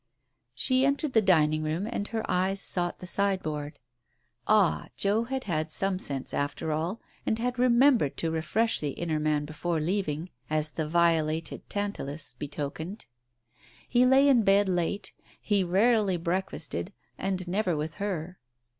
She entered the dining room, and her eyes sought the sideboard. Ah, Joe had had some sense after all, and had remembered to refresh the inner man before leaving, as the violated Tantalus betokened. He lay in bed late. He rarely breakfasted, and never with her.